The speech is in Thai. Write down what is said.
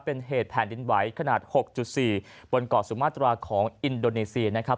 เป็นเหตุแผ่นดินไหวขนาด๖๔บนเกาะสุมาตราของอินโดนีเซียนะครับ